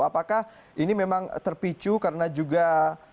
apakah ini memang terpicu karena juga emosi mereka ketika mungkin ada satu